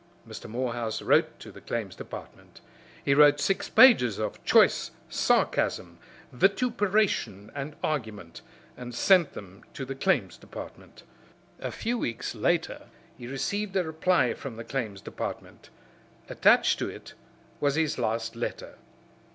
Mr. Morehouse wrote to the Claims Department. He wrote six pages of choice sarcasm, vituperation and argument, and sent them to the Claims Department. A few weeks later he received a reply from the Claims Department. Attached to it was his last letter.